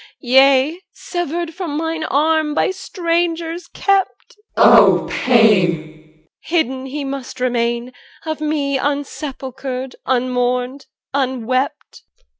Yea, severed from mine arm, By strangers kept CH. 14. O pain! EL. Hidden he must remain, Of me unsepulchred, unmourned, unwept.